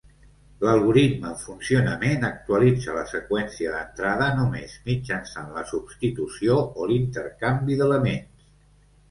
L'algoritme en funcionament actualitza la seqüència d'entrada només mitjançant la substitució o l'intercanvi d'elements.